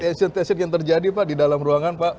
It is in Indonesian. ada tension tension yang terjadi pak di dalam ruangan pak